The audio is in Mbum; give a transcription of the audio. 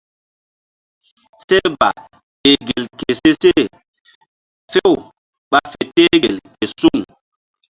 Seh ba teh gel ke se she few ɓa fe teh gel ke suŋ.